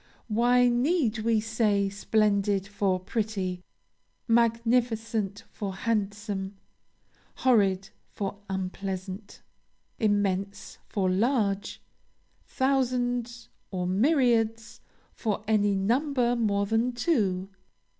Why need we say splendid for pretty, magnificent for handsome, horrid for unpleasant, immense for large, thousands, or myriads, for any number more than two?